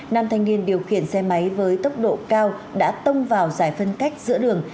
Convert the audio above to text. nam thanh niên điều khiển xe máy với tốc độ cao đã tông vào giải phân cách giữa đường